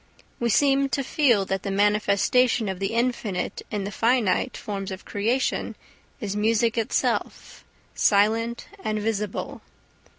We seem to feel that the manifestation of the infinite in the finite forms of creation is music itself, silent and visible.